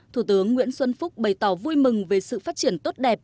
thủ tướng nguyễn xuân phúc bày tỏ vui mừng về sự phát triển tốt đẹp